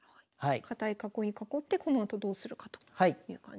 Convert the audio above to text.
堅い囲いに囲ってこのあとどうするかという感じですね。